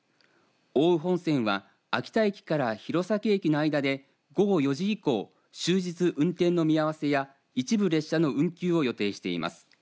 奥羽本線は秋田駅から弘前駅の間で午後４時以降終日運転の見合わせや一部列車の運休を予定しています。